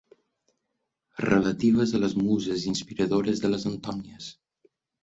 Relatives a les muses inspiradores de les Antònies.